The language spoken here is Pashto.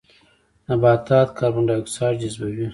نباتات کاربن ډای اکسایډ جذبوي